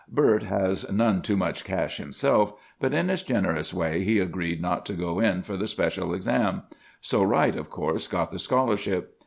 Bert has none too much cash himself; but in his generous way he agreed not to go in for the special exam.